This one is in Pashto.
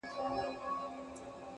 هوښیار انسان د احساساتو توازن ساتي.